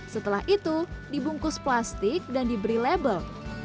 setelah itu dibungkus plastik dan diberi label